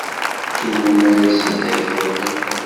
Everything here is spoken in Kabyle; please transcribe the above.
D tugna yessedhayen allen.